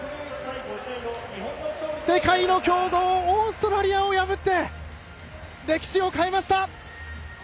世界の強豪オーストラリアを破って歴史を変えました。